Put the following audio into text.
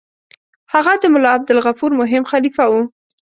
هغه د ملا عبدالغفور مهم خلیفه وو.